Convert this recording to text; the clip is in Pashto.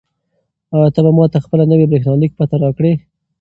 آیا ته به ماته خپله نوې بریښنالیک پته راکړې؟